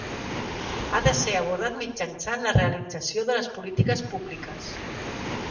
Ha de ser abordat mitjançant la realització de les polítiques públiques.